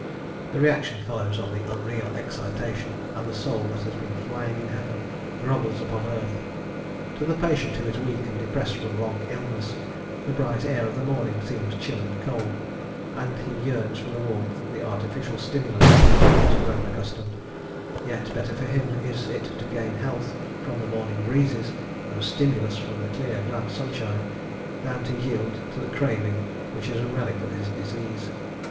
The reaction follows on the unreal excitation, and the soul that has been flying in heaven grovels upon earth. To the patient who is weak and depressed from long illness, the bright air of the morning seems chill and cold, and he yearns for the warmth of the artificial stimulants to which he has grown accustomed; yet better for him is it to gain health from the morning breezes, and stimulus from the glad clear sunshine, than to yield to the craving which is a relic of his disease.